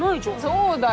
そうだよ。